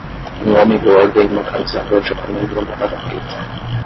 Um homem gordo em uma camisa roxa comendo uma batata frita.